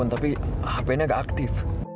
tapi hp nya nggak aktif